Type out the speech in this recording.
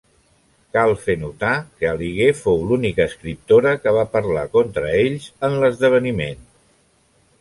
Cal fer notar que Aliguer fou l'única escriptora que va parlar contra ells en l'esdeveniment.